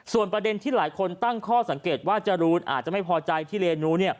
ส่วนประเด็นที่หลายคนตั้งข้อสังเกตว่าจรูนอาจจะไม่พอใจที่เรียนรู้